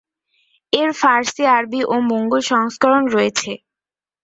এর ফারসি, আরবি ও মোঙ্গল সংস্করণ রয়েছে।